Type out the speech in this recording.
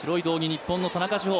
日本の田中志歩。